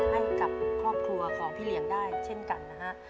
ให้กับครอบครัวของพี่เหลี่ยงได้เช่นกันนะฮะ